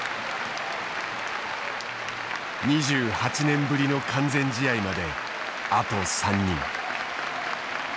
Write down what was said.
２８年ぶりの完全試合まであと３人。